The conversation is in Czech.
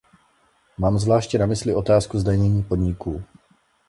Mám zvláště na mysli otázku zdanění podniků.